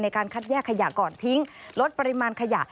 การคัดแยกขยะก่อนทิ้งลดปริมาณขยะ